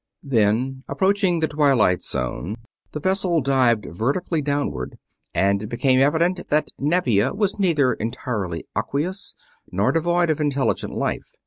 Then, approaching the twilight zone, the vessel dived vertically downward, and it became evident that Nevia was neither entirely aqueous nor devoid of intelligent life.